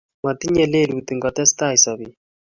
Matinye lelut ngotestai sobet